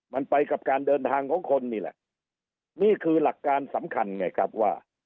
มันไปกับการเดินทางของคนนี่แหละนี่คือหลักการสำคัญไงครับว่า